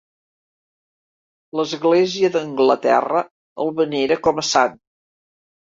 L'Església d'Anglaterra el venera com a sant.